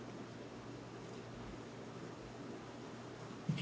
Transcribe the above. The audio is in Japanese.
え。